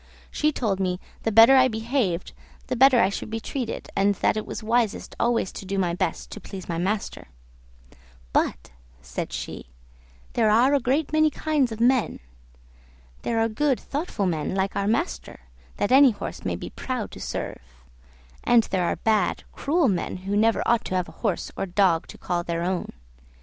She told me the better I behaved the better I should be treated, and that it was wisest always to do my best to please my master; "but," said she, "there are a great many kinds of men; there are good thoughtful men like our master, that any horse may be proud to serve; and there are bad, cruel men, who never ought to have a horse or dog to call their own.